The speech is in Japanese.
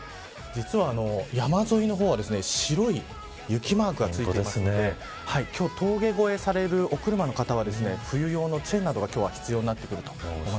実は山沿いの方は白い雪マークがついていまして今日、峠越えされる、お車の方は冬用のチェーンなどが今日は必要になってくると思います。